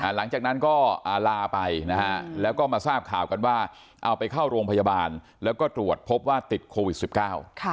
หลังจากนั้นก็ลาไปนะฮะแล้วก็มาทราบข่าวกันว่าเอาไปเข้าโรงพยาบาลแล้วก็ตรวจพบว่าติดโควิดสิบเก้า